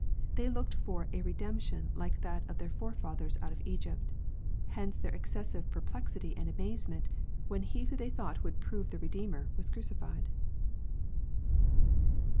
They looked for a redemp tion like that of their forefathers out of Egypt Hence their ex cessive perplexity and amazement, when he who they thought would prove the Redeemer was crucified.